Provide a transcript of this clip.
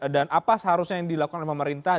dan apa seharusnya yang dilakukan oleh pemerintah